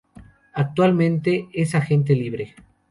Actualmente es agente libre.